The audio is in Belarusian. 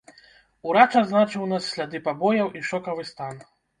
Урач адзначыў ў нас сляды пабояў і шокавы стан.